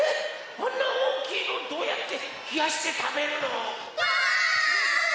あんなおおきいのどうやってひやしてたべるの？わ！